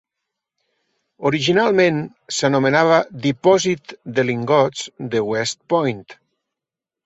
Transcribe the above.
Originalment s'anomenava Dipòsit de Lingots de West Point.